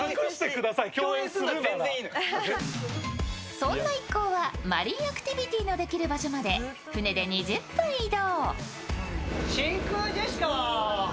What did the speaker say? そんな一行は、マリンアクティビティーのできる場所まで船で２０分移動。